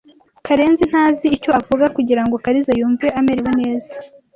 Karenzi ntazi icyo avuga kugirango Kariza yumve amerewe neza.